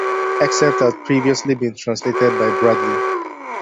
Excerpts had previously been translated by Bradley.